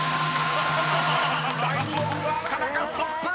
［第２問は田中ストップ！］